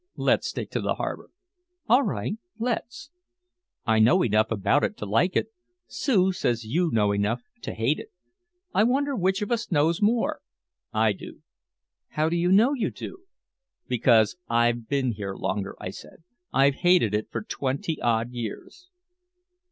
"Let's stick to the harbor." "All right, let's. I know enough about it to like it. Sue says you know enough to hate it. I wonder which of us knows more." "I do." "How do you know you do?" "Because I've been here longer," I said. "I've hated it for twenty odd years."